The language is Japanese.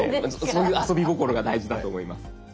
そういう遊び心が大事だと思います。